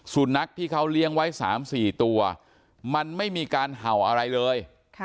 สุนัขที่เขาเลี้ยงไว้๓๔ตัวมันไม่มีการเห่าอะไรเลย